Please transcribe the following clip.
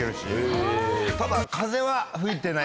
ただ。